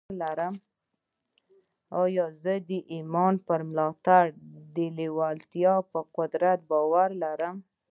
زه د ايمان پر ملاتړ د لېوالتیا پر قدرت باور لرم.